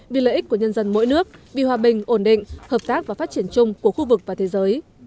vì lợi ích của nhân dân mỗi nước vì hòa bình ổn định hợp tác và phát triển chung của khu vực và thế giới